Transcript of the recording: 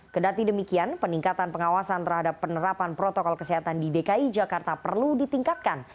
kedati demikian peningkatan pengawasan terhadap penerapan protokol kesehatan di dki jakarta perlu ditingkatkan